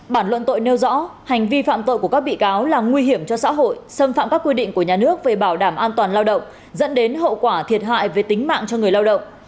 bản luận tội nêu rõ hành vi phạm tội của các bị cáo là nguy hiểm cho xã hội xâm phạm các quy định của nhà nước về bảo đảm an toàn lao động dẫn đến hậu quả thiệt hại về tính mạng cho người lao động